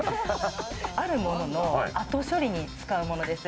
あるものの後処理に使うものです。